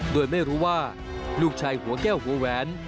โดยไม่รู้ว่าลูกชายหัวแก้วหัวแหวน